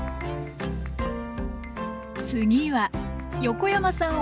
次は横山さん